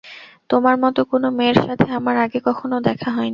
তোমার মত কোন মেয়ের সাথে আমার আগে কখনো দেখা হয়নি।